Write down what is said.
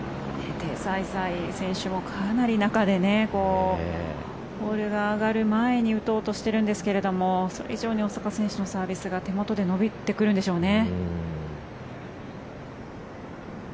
テイ・サイサイ選手もかなり中でボールが上がる前に打とうとしているんですけどそれ以上に大坂選手のサービスが手元で伸びてくるんでしょうね。